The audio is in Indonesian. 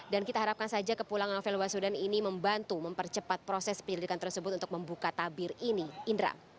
dan kita harapkan saja kepulangan novel baswedan ini membantu mempercepat proses penyelidikan tersebut untuk membuka tabir ini